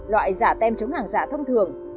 loại giả tem chống hàng giả thông thường